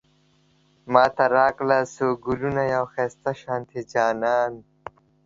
ماته راکړه څو ګلونه، يو ښايسته شانتی جانان